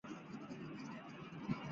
母秦氏。